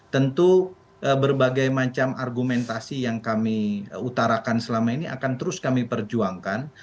tentu berbagai macam argumentasi yang kami utarakan selama ini akan terus kami perjuangkan